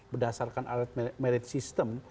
berdasarkan alat merit sistem